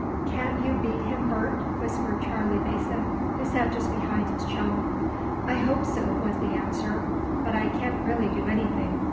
"Can't you beat him, Bert?" whispered Charley Mason, who sat just behind his chum. "I hope so," was the answer. "But I can't really do anything.